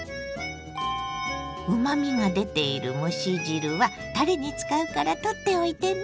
うまみが出ている蒸し汁はたれに使うから取っておいてね。